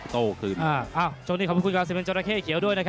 โต้คืน